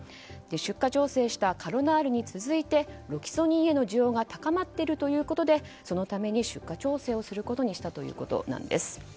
出荷調整したカロナールに続いてロキソニンへの需要が高まっているということでそのため、出荷調整をすることにしたということなんです。